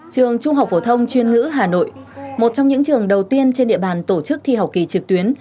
trường trung học phổ thông chuyên ngữ hà nội một trong những trường đầu tiên trên địa bàn tổ chức thi học kỳ trực tuyến